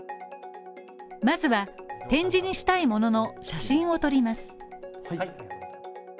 まずは点字にしたいものの写真を撮ります。